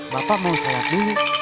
bapak mau sholat dulu